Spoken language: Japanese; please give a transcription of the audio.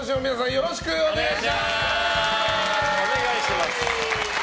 よろしくお願いします！